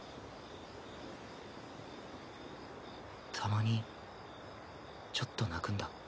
たまにちょっと泣くんだ。